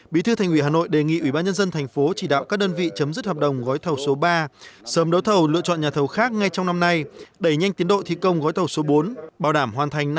bí thư thành ủy hà nội đề nghị ủy ban nhân dân thành phố chỉ đạo các đơn vị chấm dứt hợp đồng gói thầu số ba sớm đấu thầu lựa chọn nhà thầu khác ngay trong năm nay đẩy nhanh tiến độ thi công gói thầu số bốn bảo đảm hoàn thành năm hai nghìn hai mươi